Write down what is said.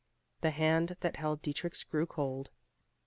The hand that held Dietrich's grew cold.